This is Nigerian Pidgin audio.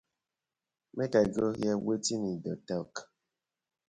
Mak I go heaar wetin im dey tok.